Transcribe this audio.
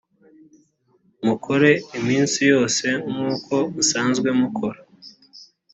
mukore iminsi yose nkuko musanzwe mukora